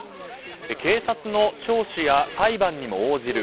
警察の聴取や裁判にも応じる。